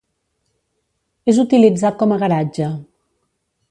És utilitzat com a garatge.